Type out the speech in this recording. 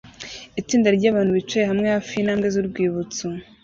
Itsinda ryabantu bicaye hamwe hafi yintambwe zurwibutso